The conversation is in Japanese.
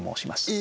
え！